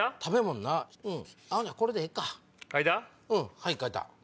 はい書いた。